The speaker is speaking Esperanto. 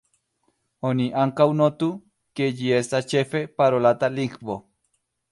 Oni ankaŭ notu, ke ĝi estas ĉefe parolata lingvo.